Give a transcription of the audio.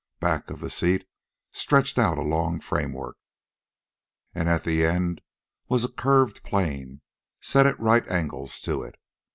Back of the seat stretched out a long framework, and at the end was a curved plane, set at right angles to it.